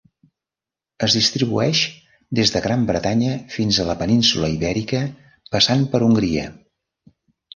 Es distribueix des de Gran Bretanya fins a la península Ibèrica passant per Hongria.